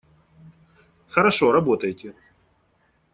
Хорошо, работайте!